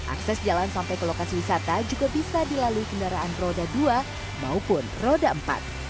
akses jalan sampai ke lokasi wisata juga bisa dilalui kendaraan roda dua maupun roda empat